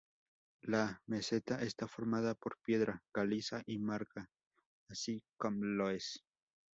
La meseta está formada por piedra caliza y marga, así com loess.